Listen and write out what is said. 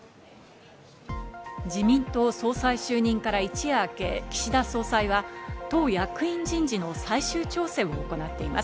自民党総裁就任から一夜明け、岸田総裁は党役員人事の最終調整を行っています。